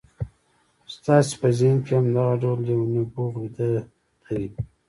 ستاسې په ذهن کې هم دغه ډول يو نبوغ ويده دی.